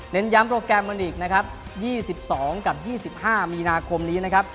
เน้นย้ำโปรแกรมวันนี้อีกนะครับยี่สิบสองกับยี่สิบห้ามีนาคมนี้นะครับ